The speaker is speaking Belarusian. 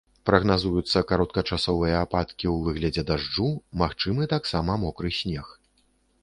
Прагназуюцца кароткачасовыя ападкі ў выглядзе дажджу, магчымы таксама мокры снег.